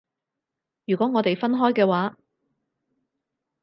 如果我哋分開嘅話